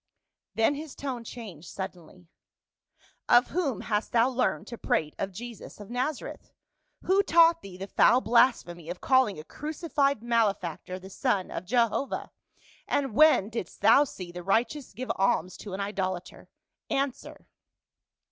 Then his tone changed sud denly, " Of whom hast thou learned to prate of Jesus of Nazareth ? Who taught thee the foul blasphemy of calling a crucified malefactor the son of Jehovah ? and when didst thou see the righteous give alms to an idolater? Answer."